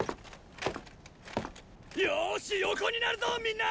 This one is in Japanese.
よォし横になるぞみんな！